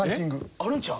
あるんちゃう？